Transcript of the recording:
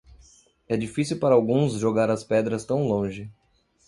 É difícil para alguns jogar as pedras tão longe.